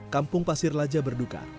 kampung pasir laja berduka